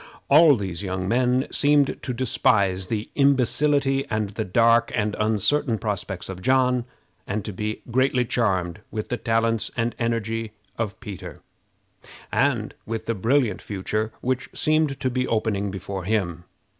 All these young men seemed to despise the imbecility, and the dark and uncertain prospects of John, and to be greatly charmed with the talents and energy of Peter, and with the brilliant future which seemed to be opening before him.